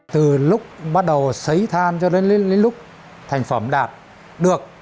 từ lúc bắt đầu xấy than cho đến lúc thành phẩm đạt được